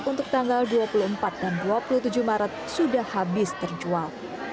untuk tanggal dua puluh empat dan dua puluh tujuh maret sudah habis terjual